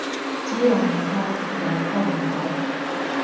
只有唔溝，冇溝唔到